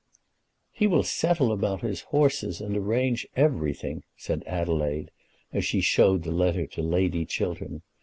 "He will settle about his horses, and arrange everything," said Adelaide, as she showed the letter to Lady Chiltern.